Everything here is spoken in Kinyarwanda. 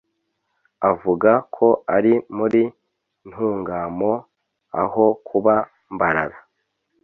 avuga ko ari muri Ntungamo aho kuba Mbarara.